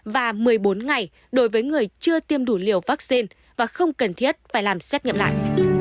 và một mươi bốn ngày đối với người chưa tiêm đủ liều vaccine và không cần thiết phải làm xét nghiệm lại